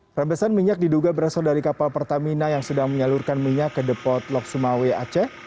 perambesan minyak diduga berasal dari kapal pertamina yang sedang menyalurkan minyak ke depot lok sumawe aceh